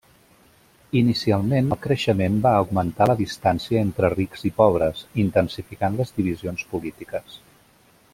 Inicialment el creixement va augmentar la distància entre rics i pobres, intensificant les divisions polítiques.